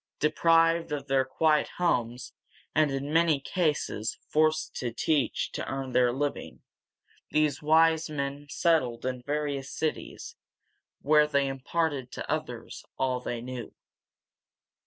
Deprived of their quiet homes, and in many cases forced to teach to earn their living, these wise men settled in various cities, where they imparted to others all they knew.